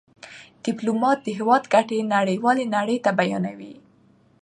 ډيپلومات د هېواد ګټې نړېوالي نړۍ ته بیانوي.